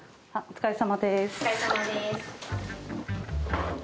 お疲れさまです。